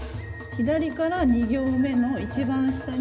左から２行目の一番下に。